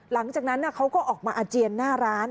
หลังจากนั้นเขาก็ออกมาอาเจียนหน้าร้าน